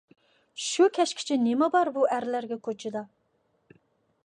شۇ كەچكىچە نېمە بار ئۇ ئەرلەرگە كوچىدا؟